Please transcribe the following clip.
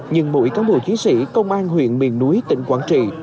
nhưng mỗi cán bộ chiến sĩ công an huyện miền núi tỉnh quảng trị